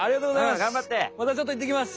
またちょっと行ってきます！